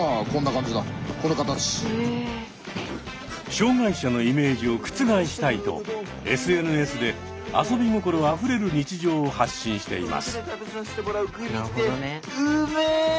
障害者のイメージを覆したいとＳＮＳで遊び心あふれる日常を発信しています。